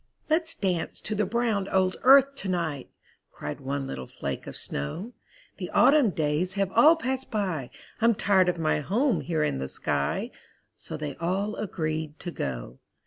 "Let's dance to the brown old earth to night!" Cried one little flake of snow; "The autumn days have all passed by, I'm tired of my home here in the sky." So they all agreed to go.